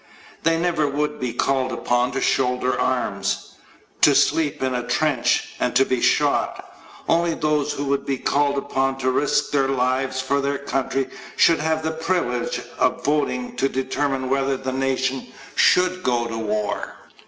They never would be called upon to shoulder arms to sleep in a trench and to be shot. Only those who would be called upon to risk their lives for their country should have the privilege of voting to determine whether the nation should go to war.